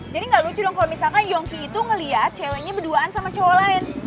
jadi gak lucu dong kalo misalkan yongki itu ngeliat ceweknya berduaan sama cowok lain